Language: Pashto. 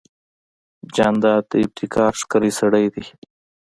جانداد د ابتکار ښکلی سړی دی.